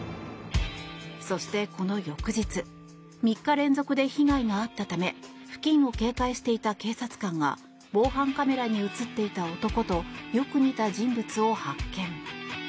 そして、この翌日３日連続で被害があったため付近を警戒していた警察官が防犯カメラに映っていた男とよく似た人物を発見。